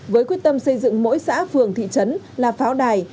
với quyết tâm xây dựng mỗi xã phường thị trấn là pháo đài